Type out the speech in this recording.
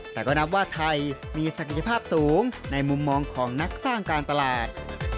แต่ก็นับว่าไทยมีศักยภาพสูงในมุมมองของนักสร้างการตลาด